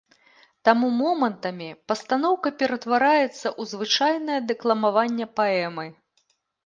Таму момантамі пастаноўка ператвараецца ў звычайнае дэкламаванне паэмы.